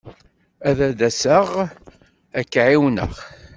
Ad d-asaɣ ad k-ɛiwneɣ.